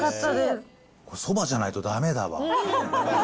これ、そばじゃないとだめだわ。